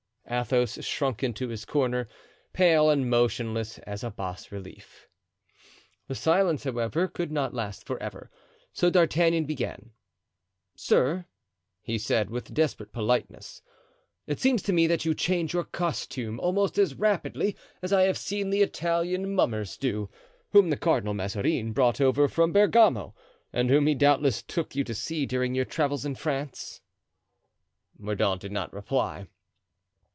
Athos shrunk into his corner, pale and motionless as a bas relief. The silence, however, could not last forever. So D'Artagnan began: "Sir," he said, with desperate politeness, "it seems to me that you change your costume almost as rapidly as I have seen the Italian mummers do, whom the Cardinal Mazarin brought over from Bergamo and whom he doubtless took you to see during your travels in France." Mordaunt did not reply.